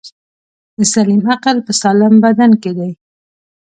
دسلیم عقل په سالم بدن کی دی.